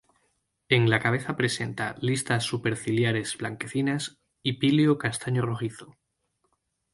En la cabeza presenta listas superciliares blanquecinas y píleo castaño rojizo.